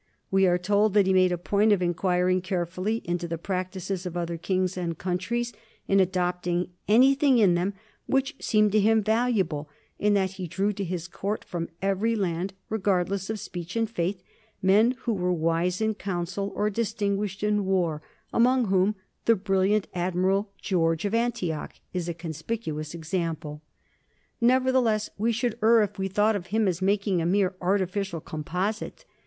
We are told that he made a point of inquiring carefully into the practices of other kings and countries and adopt ing anything in them which seemed to him valuable, and that he drew to his court from every land, regard less of speech and faith, men who were wise in counsel or distinguished in war, among whom the brilliant ad miral George of Antioch is a conspicuous example. Nevertheless we should err if we thought of him as making a mere artificial composite.